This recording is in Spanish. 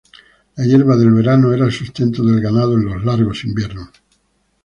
La hierba del verano era el sustento del ganado en los largos inviernos.